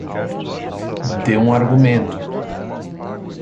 Dê um argumento